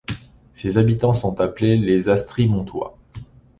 Ses habitants sont appelés les Astrimontois.